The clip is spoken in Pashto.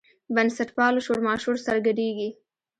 بنسټپالو شورماشور سره ګډېږي.